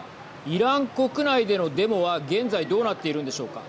イラン国内でのデモは現在どうなっているんでしょうか。